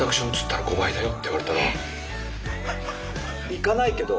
行かないけど。